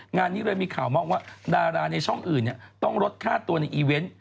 งานนี้เลยมีข่าวมาว่าดาราในช่องอื่นต้องลดค่าตัวในอีเวนต์